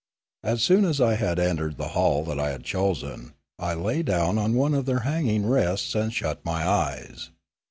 As soon as I had entered the hall that I had chosen, I lay down on one of their hanging rests and shut my eyes.